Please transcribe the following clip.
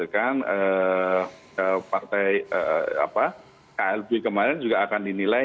klb kemarin juga akan diinginkan